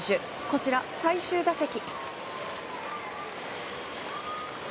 こちら最終打席。